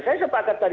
saya sepakat tadi